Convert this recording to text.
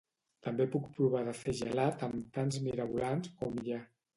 També puc provar de fer gelat amb tants mirabolans com hi ha